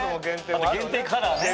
あと限定カラーね。